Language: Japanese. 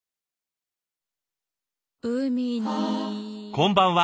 こんばんは。